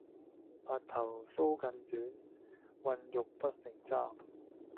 白頭搔更短，渾欲不勝簪